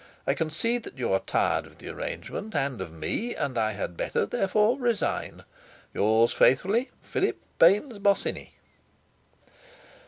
I can see that you are tired of the arrangement, and of me, and I had better, therefore, resign. "Yours faithfully, "PHILIP BAYNES BOSINNEY."